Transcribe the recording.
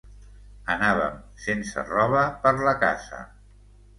Anàvem sense roba per la casa.